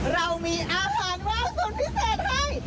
เรามีอาหารว่างสุดพิเศษให้